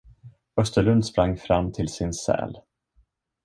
Österlund sprang fram till sin säl.